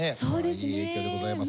いい影響でございます。